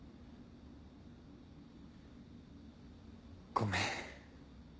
ごめん。